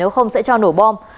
không sẽ cho nổ bom